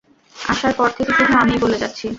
আসার পর থেকে, শুধু আমিই বলে যাচ্ছি।